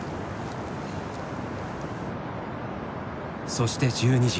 そして１２時。